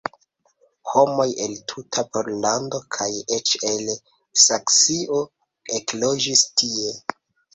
Homoj el tuta Pollando kaj eĉ el Saksio ekloĝis tie.